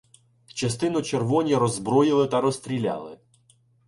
Частину червоні роззброїли та розстріляли.